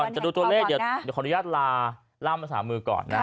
จะดูตัวเลขผมขออนุญาตลาล่ามกว่ามือก่อนนะ